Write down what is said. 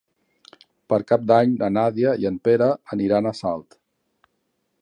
Per Cap d'Any na Nàdia i en Pere aniran a Salt.